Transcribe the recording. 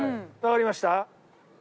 わかりました？